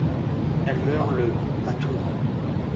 Elle meurt le à Tours.